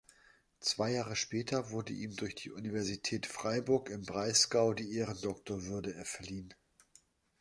Zwei Jahre später wurde ihm durch die Universität Freiburg im Breisgau die Ehrendoktorwürde verliehen.